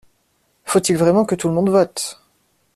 Faut-il vraiment que tout le monde vote?